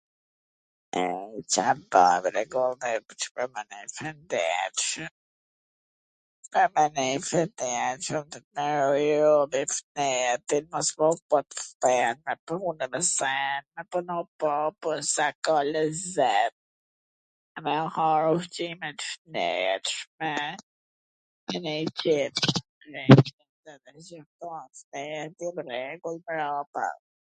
E Ca bwj pwr me nejt shwndetshwm... Pwr me nejt shwndetshwm ... puno pwr sa ka lezet ... ha ushqime t shnetshme, edhe i qet... ne dum rregull prapa ...